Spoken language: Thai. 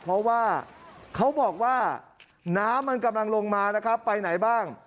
เพราะว่าเขาบอกว่าน้ำมันกำลังลงมานะครับไปไหนบ้าง